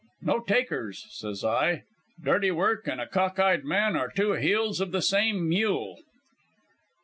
"'No takers,' says I. 'Dirty work and a cock eyed man are two heels of the same mule.'